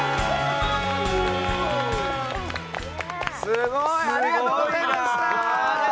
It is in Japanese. すごい！ありがとうございました。